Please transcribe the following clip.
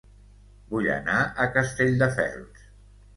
Vull anar a Castelldefels